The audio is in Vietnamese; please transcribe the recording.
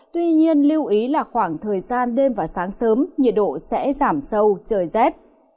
tuy nhiên lưu ý là khoảng thời gian đêm và sáng sớm nhiệt độ sẽ giảm sâu trời rét